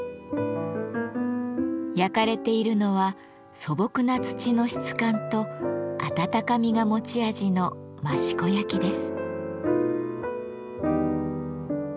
焼かれているのは素朴な土の質感と温かみが持ち味の益子焼です。